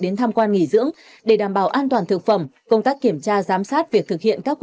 đến tham quan nghỉ dưỡng để đảm bảo an toàn thực phẩm công tác kiểm tra giám sát việc thực hiện các